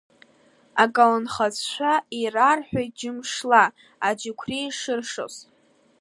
Аколнхацәа ирарҳәеит, џьамшла аџьықәреи шыршоз.